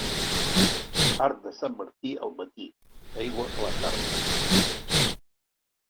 Arc de Sant Martí al matí, aigua a la tarda.